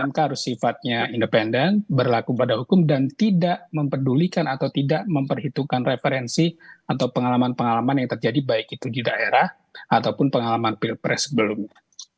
mk harus sifatnya independen berlaku pada hukum dan tidak mempedulikan atau tidak memperhitungkan referensi atau pengalaman pengalaman yang terjadi baik itu di daerah ataupun pengalaman pilpres sebelumnya